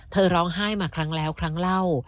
ร้องไห้มาครั้งแล้วครั้งเล่า